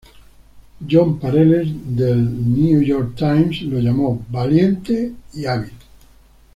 Jon Pareles de "The New York Times" lo llamó valiente y hábil.